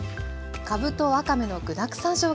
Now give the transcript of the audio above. かぶとわかめの具だくさんしょうが